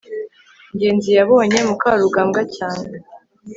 ngenzi yabonye mukarugambwa cyane